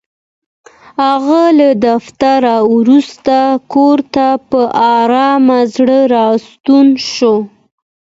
هغه له دفتره وروسته کور ته په ارامه زړه راستون شو.